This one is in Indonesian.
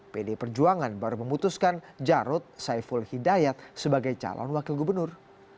pdi perjuangan baru memutuskan jarod saiful hidayat sebagai calon wakil gubernur